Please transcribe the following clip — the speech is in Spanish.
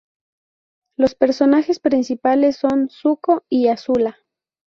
Los personajes principales son Zuko y Azula.